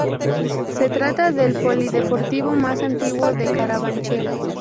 Se trata del polideportivo más antiguo de Carabanchel.